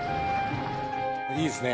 いいですね。